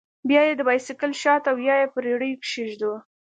بيا يې د بايسېکل شاته او يا په رېړيو کښې ږدو.